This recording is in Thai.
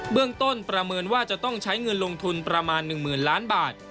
เรื่องต้นประเมินว่าจะต้องใช้เงินลงทุนประมาณ๑๐๐๐ล้านบาท